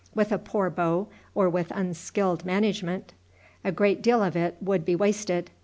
With a poor bow, or with unskillful management, a great deal of it would be wasted.